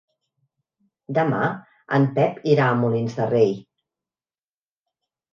Demà en Pep irà a Molins de Rei.